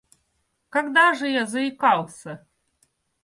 Когда же я заикался?